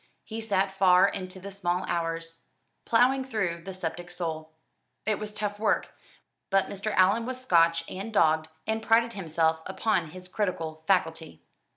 He sat far into the small hours, ploughing through "The Sceptic Soul." It was tough work; but Mr. Allan was Scotch and dogged, and prided himself upon his critical faculty.